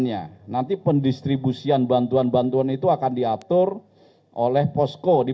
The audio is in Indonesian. nanti pendistribusian bantuan bantuan itu akan diatur oleh posko di